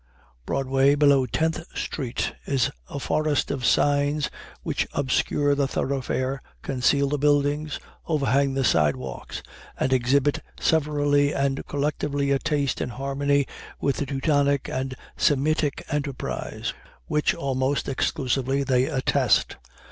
Broadway below Tenth Street is a forest of signs which obscure the thoroughfare, conceal the buildings, overhang the sidewalks, and exhibit severally and collectively a taste in harmony with the Teutonic and Semitic enterprise which, almost exclusively, they attest.